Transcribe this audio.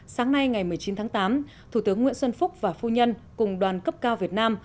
sáng nay ngày một mươi chín tháng tám thủ tướng nguyễn xuân phúc và phu nhân cùng đoàn cấp cao việt nam